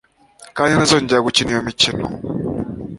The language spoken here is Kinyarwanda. kandi ntazongera gukina iyo mikino